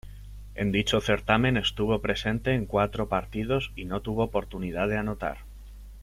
En dicho certamen, estuvo presente en cuatro partidos y no tuvo oportunidad de anotar.